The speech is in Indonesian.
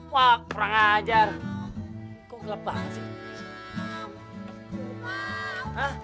wah kurang ajar kok gelebang sih